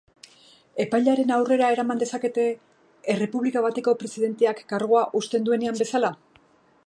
Epailearen aurrera eraman dezakete, errepublika bateko presidenteak kargua uzten duenean bezala?